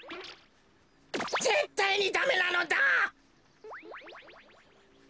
ぜったいにダメなのだ！